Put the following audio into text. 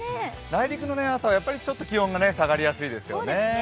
内陸の朝はやっぱりちょっと気温が下がりやすいですね。